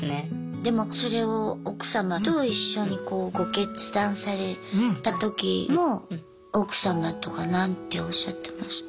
でもそれを奥様と一緒にご決断された時も奥様とか何ておっしゃってました？